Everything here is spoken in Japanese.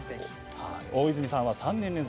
大泉さんは３年連続。